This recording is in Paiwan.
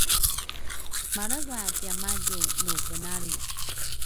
maleva tiamadju nu venali